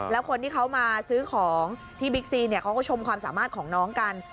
แล้วคนที่เขามาซื้อของที่บิ๊กซีเนี่ยเขาก็ชมความสามารถของน้องกัน